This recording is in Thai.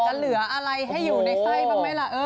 เหลืออะไรให้อยู่ในไส้บ้างไหมล่ะ